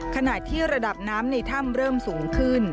ขณะที่ระดับน้ำในถ้ำเริ่มสูงขึ้น